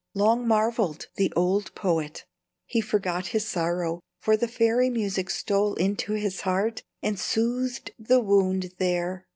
Long marvelled the old poet. He forgot his sorrow, for the fairy music stole into his heart and soothed the wound there.